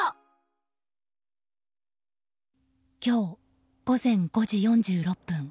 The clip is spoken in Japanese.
今日、午前５時４６分。